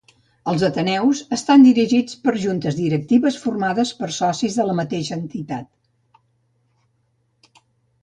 Els ateneus estan dirigits per juntes directives formades per socis de la mateixa entitat.